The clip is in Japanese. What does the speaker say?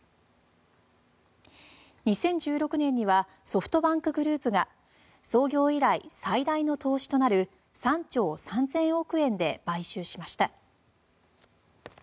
２０１６年にはソフトバンクグループが創業以来最大の投資となる３兆３０００億円で買収しました。